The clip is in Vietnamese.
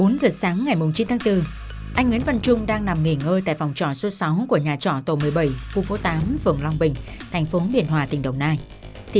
hãy đăng ký kênh để ủng hộ kênh của mình nhé